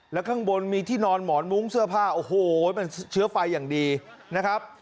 แล้วข้างบนมีที่นอนหมอนมุ้งเสื้อผ้าโอ้โหมันเชื้อไฟอย่างดีนะครับ